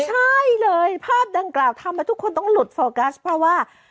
ใช่เลยภาพดังกล่าวทำให้ทุกคนต้องหลุดโฟกัสเพราะว่า